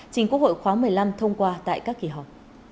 chính quốc hội khóa một mươi năm thông qua tại các kỳ họp